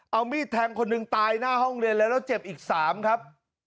เอามีดแทงคนหนึ่งตายหน้าห้องเรียนเลยแล้วเจ็บอีก๓ครับ